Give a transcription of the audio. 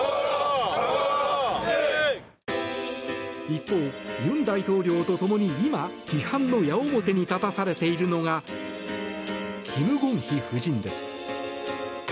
一方、尹大統領と共に今、批判の矢面に立たされているのがキム・ゴンヒ夫人です。